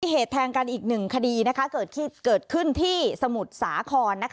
เหตุแทงกันอีกหนึ่งคดีเกิดขึ้นที่สมุทรสาคร